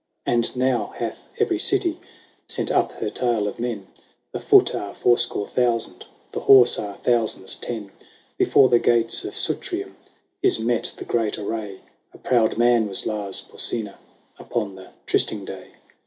XI. And now hath every city Sent up her tale of men ; The foot are fourscore thousand. The horse are thousands ten. Before the gates of Sutrium Is met the great array. A proud man was Lars Porsena Upon the trysting day.